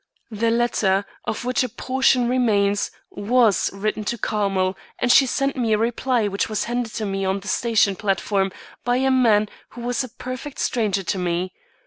The letter, of which a portion remains, was written to Carmel, and she sent me a reply which was handed me on the station platform by a man who was a perfect stranger to me.